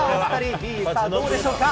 さあ、どうでしょうか。